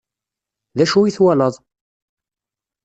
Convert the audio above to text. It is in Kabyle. D acu i twalaḍ?